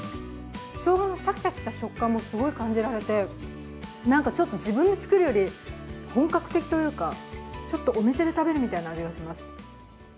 しょうがのシャキシャキした食感もすごい感じられて何かちょっと自分で作るより本格的というか、ちょっとお店で食べるみたいな味がします。